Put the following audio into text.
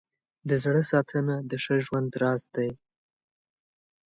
د زړه ساتنه د ښه ژوند راز دی.